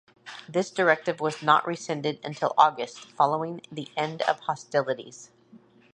This directive was not rescinded until August, following the end of hostilities.